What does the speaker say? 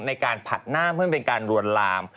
ในการผัดหน้าเพื่อเป็นการลวนลาม